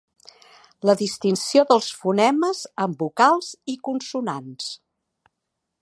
La distinció dels fonemes en vocals i consonants.